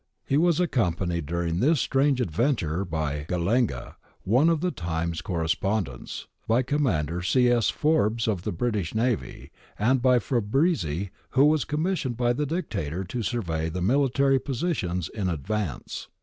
He was accompanied during this strange ad venture by Gallenga, one of the Times correspondents, by Commander C. S. Forbes of the British Navy, and by Fabrizi, who was commissioned by the Dictator to survey the military positions in advance.